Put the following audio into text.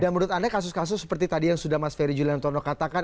dan menurut anda kasus kasus seperti tadi yang sudah mas ferry juliantono katakan